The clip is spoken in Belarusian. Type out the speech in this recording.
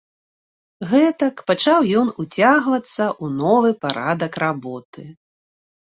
Гэтак пачаў ён уцягвацца ў новы парадак работы.